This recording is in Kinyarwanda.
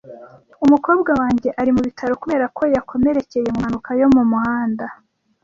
Umukobwa wanjye ari mu bitaro kubera ko yakomerekeye mu mpanuka yo mu muhanda.